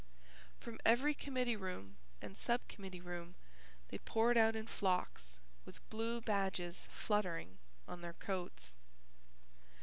From every committee room and sub committee room they poured out in flocks with blue badges fluttering on their coats.